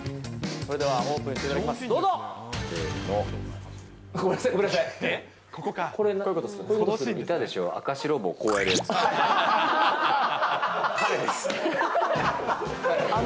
それではオープンしていただせーの。